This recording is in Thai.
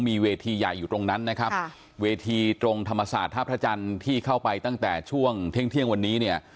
มีเวทีใหญ่อยู่ตรงนั้นนะครับเวทีตรงธรรมศาสตร์ท่าพระจันทร์ที่เข้าไปตั้งแต่ช่วงเที่ยงเที่ยงวันนี้เนี่ย